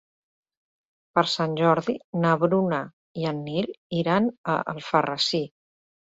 Per Sant Jordi na Bruna i en Nil iran a Alfarrasí.